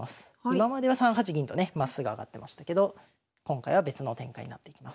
今までは３八銀とねまっすぐ上がってましたけど今回は別の展開になっていきます。